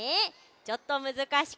ちょっとむずかしくなります。